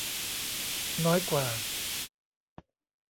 น้อยกว่า